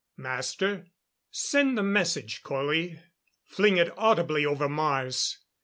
"Master?" "Send the message, Colley. Fling it audibly over Mars!